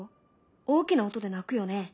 大きな音で鳴くよね。